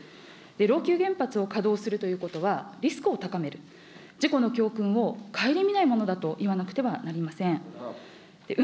老朽原発を稼働するということは、リスクを高める、事故の教訓を顧みないものだといわなくてはなりません。